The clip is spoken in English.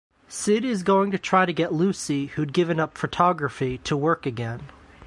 Syd is going to try to get Lucy, who’d given up photography, to work again.